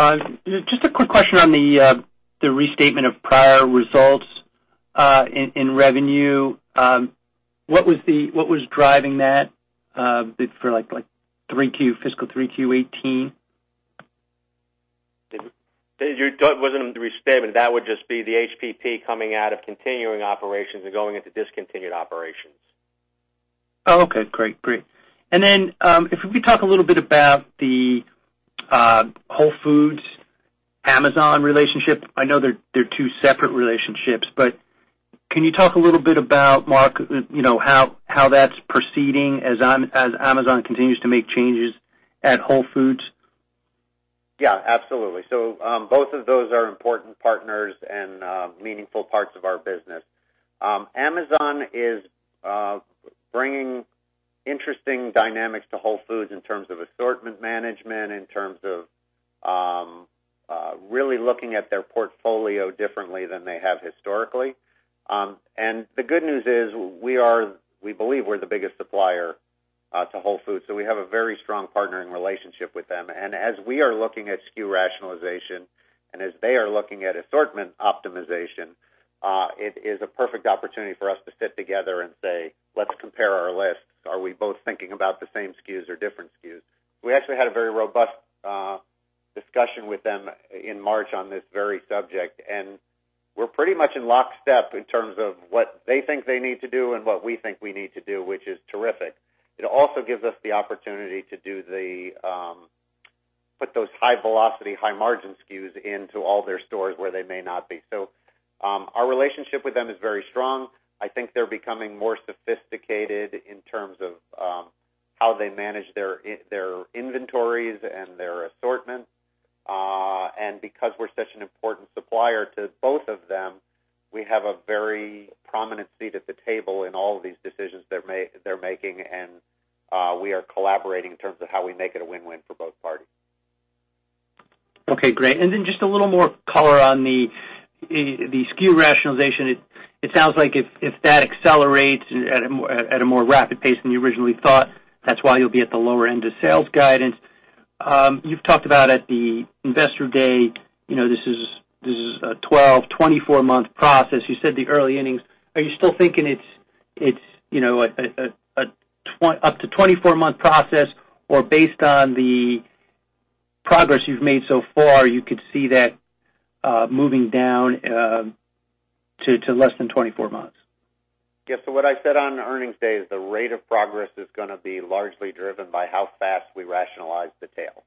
Just a quick question on the restatement of prior results in revenue. What was driving that for fiscal 3Q 2018? It wasn't a restatement. That would just be the HPP coming out of continuing operations and going into discontinued operations. Oh, okay. Great. Then, if we could talk a little bit about the Whole Foods-Amazon relationship. I know they're two separate relationships, but can you talk a little bit about, Mark, how that's proceeding as Amazon continues to make changes at Whole Foods? Yeah, absolutely. Both of those are important partners and meaningful parts of our business. Amazon is bringing interesting dynamics to Whole Foods in terms of assortment management, in terms of really looking at their portfolio differently than they have historically. The good news is we believe we're the biggest supplier to Whole Foods, so we have a very strong partnering relationship with them. As we are looking at SKU rationalization and as they are looking at assortment optimization, it is a perfect opportunity for us to sit together and say, "Let's compare our lists. Are we both thinking about the same SKUs or different SKUs?" We actually had a very robust discussion with them in March on this very subject, we're pretty much in lockstep in terms of what they think they need to do and what we think we need to do, which is terrific. It also gives us the opportunity to put those high velocity, high margin SKUs into all their stores where they may not be. Our relationship with them is very strong. I think they're becoming more sophisticated in terms of how they manage their inventories and their assortment. Because we're such an important supplier to both of them, we have a very prominent seat at the table in all of these decisions they're making, and we are collaborating in terms of how we make it a win-win for both parties. Okay, great. Then just a little more color on the SKU rationalization. It sounds like if that accelerates at a more rapid pace than you originally thought, that's why you'll be at the lower end of sales guidance. You've talked about at the investor day, this is a 12, 24-month process. You said the early innings. Are you still thinking it's up to 24-month process or based on the progress you've made so far, you could see that moving down to less than 24 months. Yes. What I said on earnings day is the rate of progress is going to be largely driven by how fast we rationalize the tail.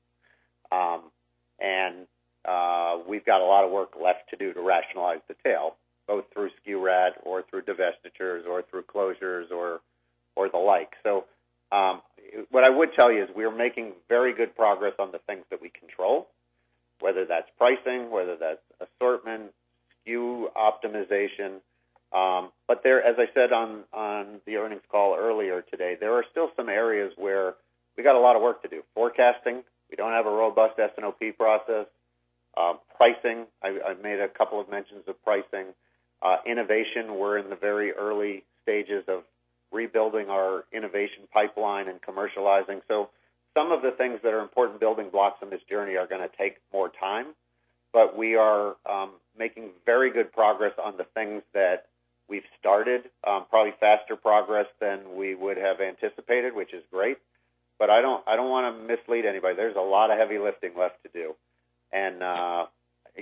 We've got a lot of work left to do to rationalize the tail, both through SKU reduction or through divestitures or through closures or the like. What I would tell you is we are making very good progress on the things that we control, whether that's pricing, whether that's assortment, SKU optimization. As I said on the earnings call earlier today, there are still some areas where we got a lot of work to do. Forecasting, we don't have a robust S&OP process. Pricing, I made a couple of mentions of pricing. Innovation, we're in the very early stages of rebuilding our innovation pipeline and commercializing. Some of the things that are important building blocks on this journey are going to take more time. We are making very good progress on the things that we've started. Probably faster progress than we would have anticipated, which is great. I don't want to mislead anybody. There's a lot of heavy lifting left to do, and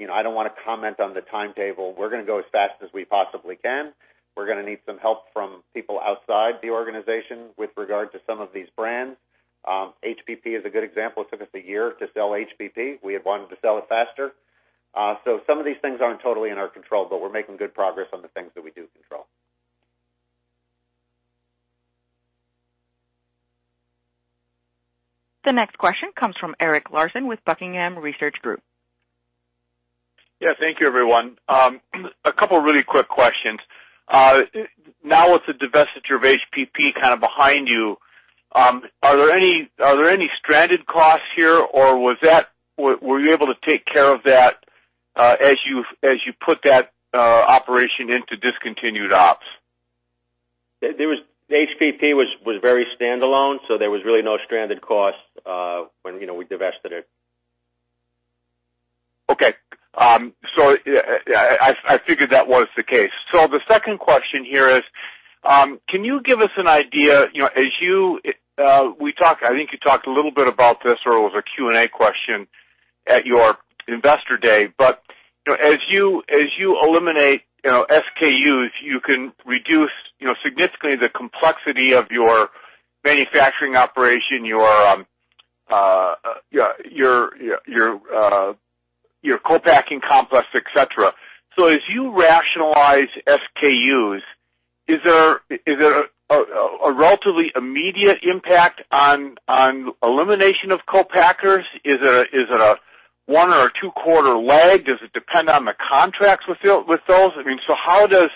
I don't want to comment on the timetable. We're going to go as fast as we possibly can. We're going to need some help from people outside the organization with regard to some of these brands. HPP is a good example. It took us one year to sell HPP. We had wanted to sell it faster. Some of these things aren't totally in our control, but we're making good progress on the things that we do control. The next question comes from Eric Larson with Buckingham Research Group. Yes, thank you everyone. A couple of really quick questions. Now with the divestiture of HPP kind of behind you, are there any stranded costs here, or were you able to take care of that as you put that operation into discontinued ops? HPP was very standalone, there was really no stranded cost when we divested it. Okay. I figured that was the case. The second question here is, can you give us an idea-- I think you talked a little bit about this, or it was a Q&A question at your Investor Day. As you eliminate SKUs, you can reduce significantly the complexity of your manufacturing operation, your co-packing complex, et cetera. As you rationalize SKUs, is there a relatively immediate impact on elimination of co-packers? Is it a one or a two-quarter lag? Does it depend on the contracts with those? How does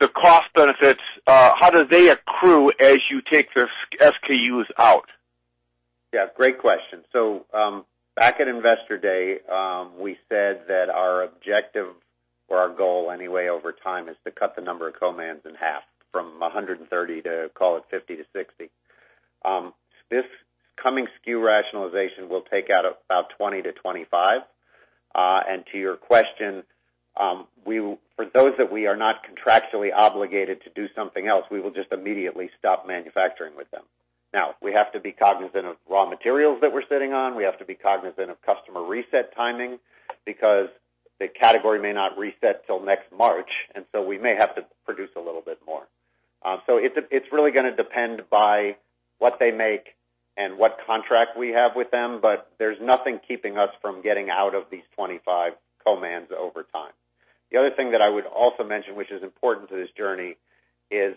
the cost benefits accrue as you take the SKUs out? Yeah, great question. Back at Investor Day, we said that our objective or our goal anyway over time is to cut the number of co-mans in half from 130 to, call it 50 to 60. This coming SKU rationalization will take out about 20 to 25. To your question, for those that we are not contractually obligated to do something else, we will just immediately stop manufacturing with them. We have to be cognizant of raw materials that we're sitting on. We have to be cognizant of customer reset timing because the category may not reset till next March, we may have to produce a little bit more. It's really going to depend by what they make and what contract we have with them, but there's nothing keeping us from getting out of these 25 co-mans over time. The other thing that I would also mention, which is important to this journey, is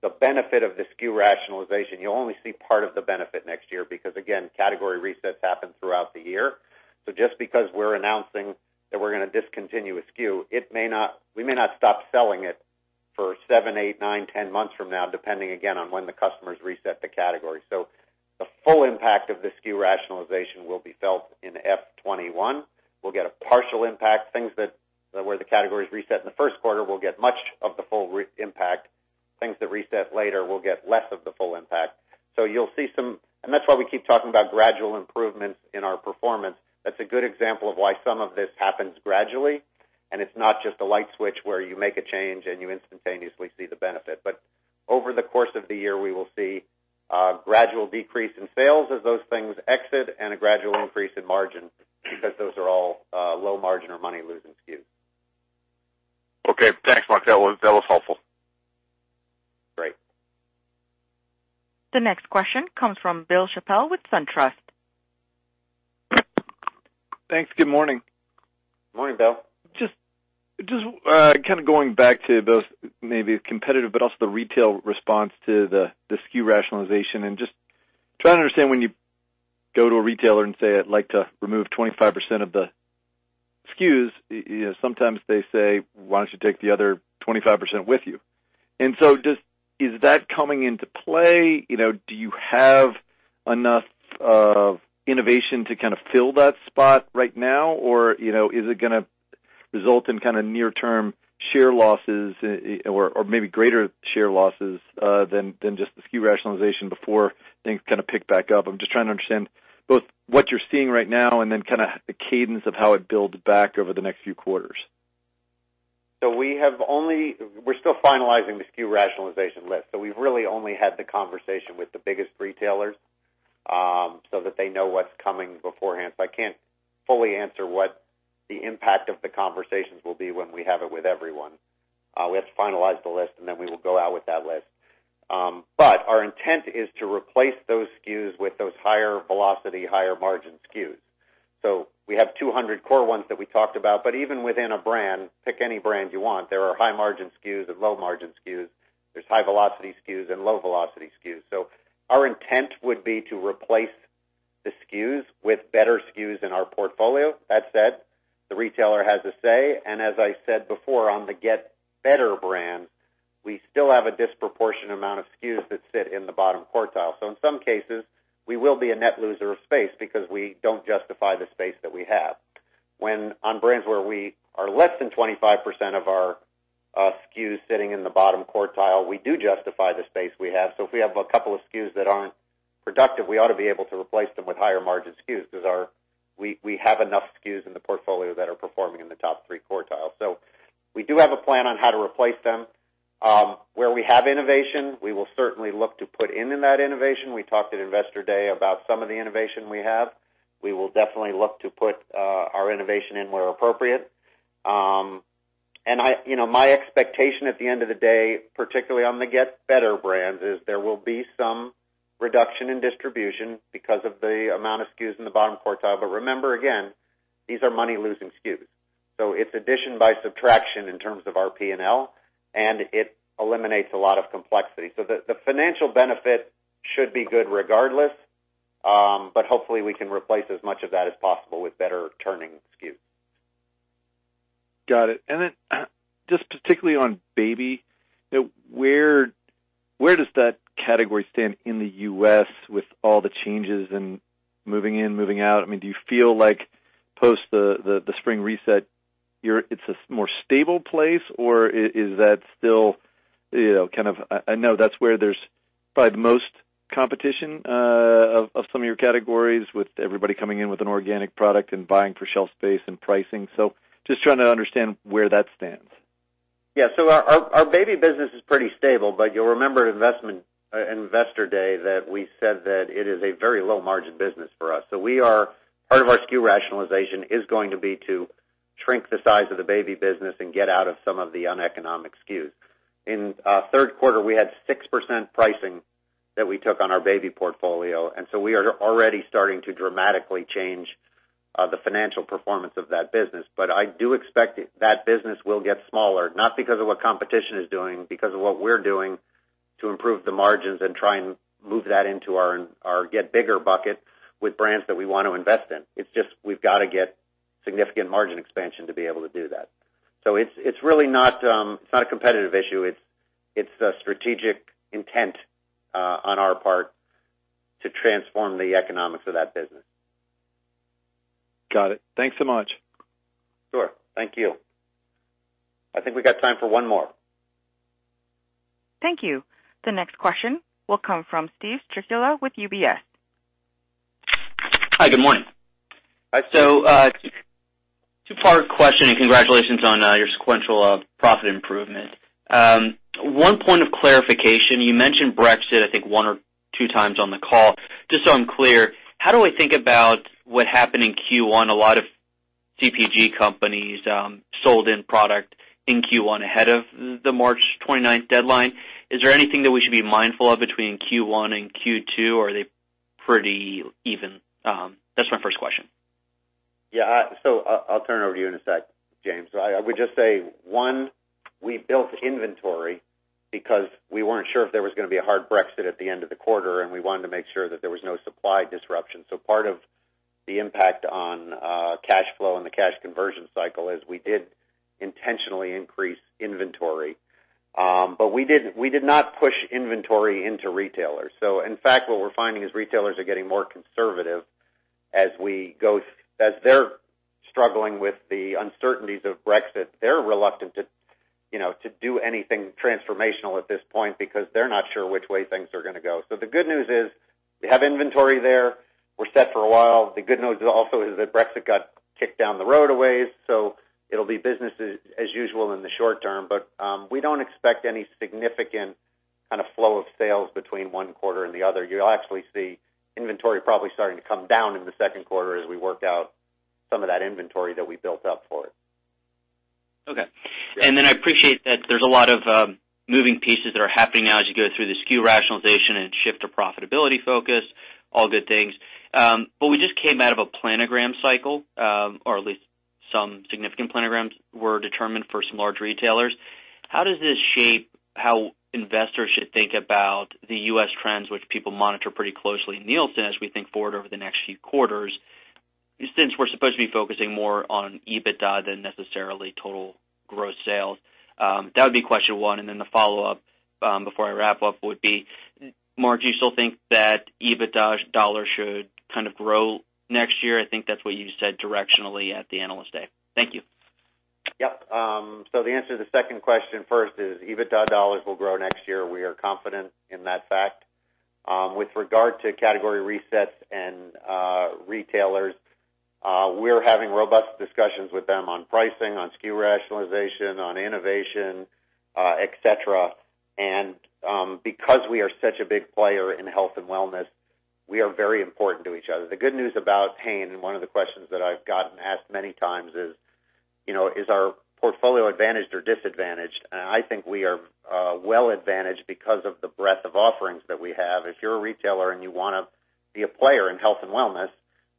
the benefit of the SKU rationalization. You'll only see part of the benefit next year because, again, category resets happen throughout the year. Just because we're announcing that we're going to discontinue a SKU, we may not stop selling it for seven, eight, nine, 10 months from now, depending again on when the customers reset the category. The full impact of the SKU rationalization will be felt in FY 2021. We'll get a partial impact. Things that where the categories reset in the first quarter will get much of the full impact. Things that reset later will get less of the full impact. That's why we keep talking about gradual improvements in our performance. That's a good example of why some of this happens gradually, and it's not just a light switch where you make a change and you instantaneously see the benefit. Over the course of the year, we will see a gradual decrease in sales as those things exit and a gradual increase in margin because those are all low margin or money losing SKUs. Okay. Thanks, Mark. That was helpful. Great. The next question comes from Bill Chappell with SunTrust. Thanks. Good morning. Morning, Bill. Kind of going back to both maybe the competitive, but also the retail response to the SKU rationalization, just trying to understand when you go to a retailer and say, "I'd like to remove 25% of the SKUs," sometimes they say, "Why don't you take the other 25% with you?" Is that coming into play? Do you have enough of innovation to kind of fill that spot right now, or is it going to result in kind of near-term share losses or maybe greater share losses than just the SKU rationalization before things kind of pick back up? I'm just trying to understand both what you're seeing right now and then kind of the cadence of how it builds back over the next few quarters. We're still finalizing the SKU rationalization list. We've really only had the conversation with the biggest retailers, so that they know what's coming beforehand. I can't fully answer what the impact of the conversations will be when we have it with everyone. We have to finalize the list, then we will go out with that list. Our intent is to replace those SKUs with those higher velocity, higher margin SKUs. We have 200 core ones that we talked about, but even within a brand, pick any brand you want, there are high margin SKUs and low margin SKUs. There's high velocity SKUs and low velocity SKUs. Our intent would be to replace the SKUs with better SKUs in our portfolio. That said, the retailer has a say, and as I said before, on the Get Better brands, we still have a disproportionate amount of SKUs that sit in the bottom quartile. In some cases, we will be a net loser of space because we don't justify the space that we have. When on brands where we are less than 25% of our SKUs sitting in the bottom quartile, we do justify the space we have. If we have a couple of SKUs that aren't productive, we ought to be able to replace them with higher margin SKUs, because we have enough SKUs in the portfolio that are performing in the top three quartiles. We do have a plan on how to replace them. Where we have innovation, we will certainly look to put in that innovation. We talked at Investor Day about some of the innovation we have. We will definitely look to put our innovation in where appropriate. My expectation at the end of the day, particularly on the Get Better brands, is there will be some reduction in distribution because of the amount of SKUs in the bottom quartile. Remember again, these are money-losing SKUs. It's addition by subtraction in terms of our P&L, and it eliminates a lot of complexity. The financial benefit should be good regardless. Hopefully we can replace as much of that as possible with better turning SKUs. Got it. Then just particularly on baby, where does that category stand in the U.S. with all the changes and moving in, moving out? Do you feel like post the spring reset, it's a more stable place or is that still kind of I know that's where there's probably the most competition of some of your categories with everybody coming in with an organic product and vying for shelf space and pricing. Just trying to understand where that stands. Yeah. Our baby business is pretty stable, but you'll remember at Investor Day that we said that it is a very low margin business for us. Part of our SKU rationalization is going to be to shrink the size of the baby business and get out of some of the uneconomic SKUs. In third quarter, we had 6% pricing that we took on our baby portfolio, we are already starting to dramatically change the financial performance of that business. I do expect that business will get smaller, not because of what competition is doing, because of what we're doing to improve the margins and try and move that into our Get Bigger bucket with brands that we want to invest in. It's just we've got to get significant margin expansion to be able to do that. It's not a competitive issue. It's a strategic intent on our part to transform the economics of that business. Got it. Thanks so much. Sure. Thank you. I think we got time for one more. Thank you. The next question will come from Steven Tricarico with UBS. Hi, good morning. Two-part question, congratulations on your sequential profit improvement. One point of clarification, you mentioned Brexit, I think one or two times on the call. Just so I am clear, how do I think about what happened in Q1? A lot of CPG companies sold in product in Q1 ahead of the March 29th deadline. Is there anything that we should be mindful of between Q1 and Q2, or are they pretty even? That is my first question. Yeah. I'll turn it over to you in a sec, James. I would just say, one, we built inventory because we weren't sure if there was going to be a hard Brexit at the end of the quarter, and we wanted to make sure that there was no supply disruption. Part of the impact on cash flow and the cash conversion cycle is we did intentionally increase inventory. We did not push inventory into retailers. In fact, what we're finding is retailers are getting more conservative as they're struggling with the uncertainties of Brexit. They're reluctant to do anything transformational at this point because they're not sure which way things are going to go. The good news is we have inventory there. We're set for a while. The good news also is that Brexit got kicked down the road a ways. It'll be business as usual in the short term. We don't expect any significant kind of flow of sales between one quarter and the other. You'll actually see inventory probably starting to come down in the second quarter as we work out some of that inventory that we built up for it. Okay. Yeah. I appreciate that there's a lot of moving pieces that are happening now as you go through the SKU rationalization and shift to profitability focus, all good things. We just came out of a planogram cycle, or at least some significant planograms were determined for some large retailers. How does this shape how investors should think about the U.S. trends, which people monitor pretty closely, Nielsen, as we think forward over the next few quarters, since we're supposed to be focusing more on EBITDA than necessarily total gross sales? That would be question one. The follow-up before I wrap up would be, Mark, do you still think that EBITDA dollars should kind of grow next year? I think that's what you said directionally at the Analyst Day. Thank you. Yep. The answer to the second question first is EBITDA dollars will grow next year. We are confident in that fact. With regard to category resets and retailers, we're having robust discussions with them on pricing, on SKU rationalization, on innovation, et cetera. Because we are such a big player in health and wellness, we are very important to each other. The good news about Hain, one of the questions that I've gotten asked many times is our portfolio advantaged or disadvantaged? I think we are well advantaged because of the breadth of offerings that we have. If you're a retailer and you want to be a player in health and wellness,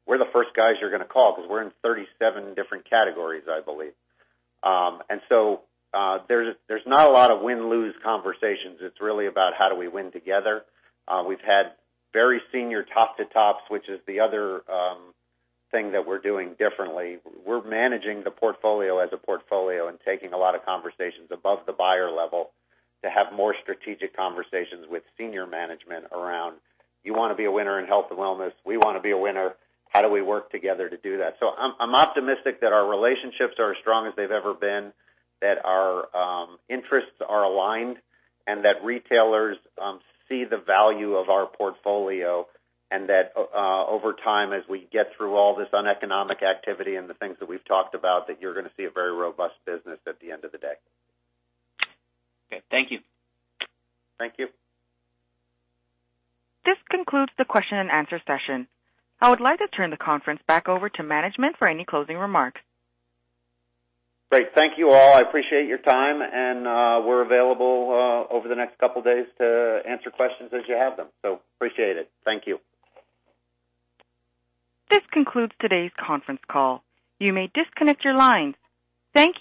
we're the first guys you're going to call because we're in 37 different categories, I believe. There's not a lot of win-lose conversations. It's really about how do we win together. We've had very senior top-to-tops, which is the other thing that we're doing differently. We're managing the portfolio as a portfolio and taking a lot of conversations above the buyer level to have more strategic conversations with senior management around, you want to be a winner in health and wellness. We want to be a winner. How do we work together to do that? I'm optimistic that our relationships are as strong as they've ever been, that our interests are aligned, and that retailers see the value of our portfolio, and that over time, as we get through all this uneconomic activity and the things that we've talked about, that you're going to see a very robust business at the end of the day. Okay. Thank you. Thank you. This concludes the question and answer session. I would like to turn the conference back over to management for any closing remarks. Great. Thank you all. I appreciate your time, and we're available over the next couple of days to answer questions as you have them. Appreciate it. Thank you. This concludes today's conference call. You may disconnect your lines. Thank you.